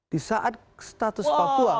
di saat status papua